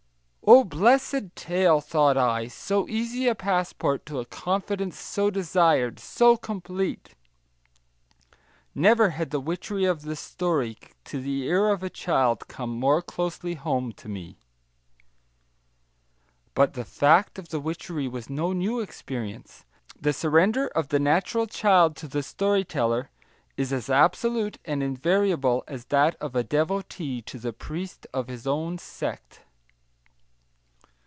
"Oh, blessed tale," thought I, "so easy a passport to a confidence so desired, so complete!" Never had the witchery of the story to the ear of a child come more closely home to me. But the fact of the witchery was no new experience. The surrender of the natural child to the story teller is as absolute and invariable as that of a devotee to the priest of his own sect.